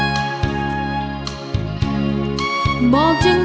ดีกว่าฉันเลยว่าฉันหลงไป